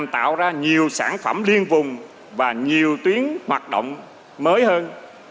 tạo ra nhiều sản phẩm liên vùng và nhiều tuyến hoạt động mới hơn